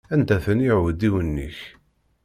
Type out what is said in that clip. Anda-ten iɛudiwen-ik?